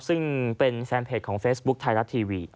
ซึ่งเป็นแฟนเพจของเฟซบุ๊คไทยรัฐทีวี